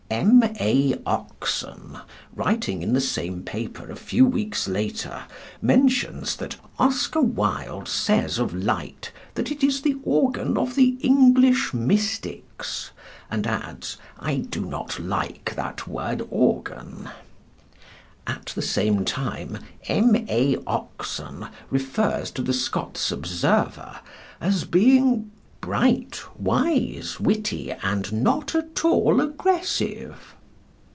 "M.A., Oxon," writing in the same paper a few weeks later mentions that "Oscar Wilde says of Light that it is 'The organ of the English mystics,' and adds 'I do not like that word 'organ.'" At the same time "M.A., Oxon," refers to the Scots Observer as being "bright, wise, witty, and not at all aggressive."